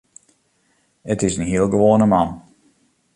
It is in hiele gewoane man.